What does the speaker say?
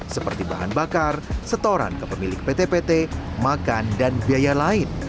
seperti bahan bakar setoran ke pemilik pt pt makan dan biaya lain